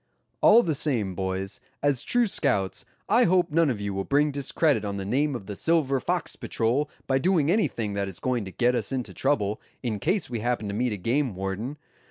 "All the same, boys, as true scouts, I hope none of you will bring discredit on the name of the Silver Fox Patrol by doing anything that is going to get us into trouble, in case we happen to meet a game warden.